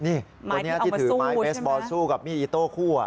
นี่คนนี้ที่ถือไม้เบสบอลสู้กับมีดอิโต้คู่